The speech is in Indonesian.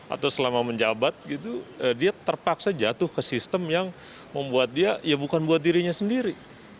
atau selama menjabat gitu dia terpaksa jatuh ke sistem yang membuat dia ya bukan buat dirinya sendiri